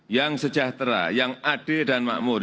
yang sejahtera yang adil dan makmur